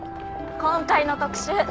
今回の特集